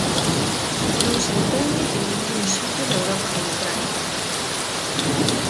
Non se entende en ningún sitio da Europa democrática.